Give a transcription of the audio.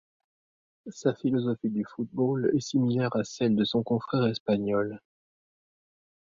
Sa philosophie du football est similaire à celle de son confrère espagnol.